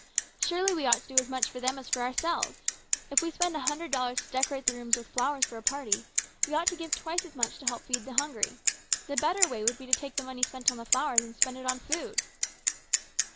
Surely we ought to do as much for them as for ourselves. If we spend a hundred dollars to decorate the rooms with flowers for a party, we ought to give twice as much to help feed the hungry. The better way would be to take the money spent on the flowers and spend it on food."